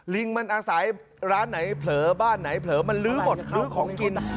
ลิงมันอาศัยร้านไหนเผลอบ้านไหนเผลอมันลื้อหมดลื้อของกิน